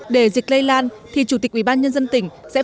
để dịch lây lan thì chủ tịch ubnd sẽ phải chịu trách nhiệm trước pháp luật